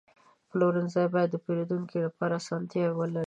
پلورنځی باید د پیرودونکو لپاره اسانتیاوې ولري.